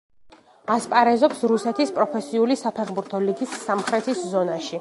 ასპარეზობს რუსეთის პროფესიული საფეხბურთო ლიგის სამხრეთის ზონაში.